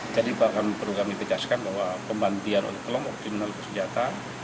jadi bahkan perlu kami tegaskan bahwa pembantian oleh kelompok tim nolok bersenjata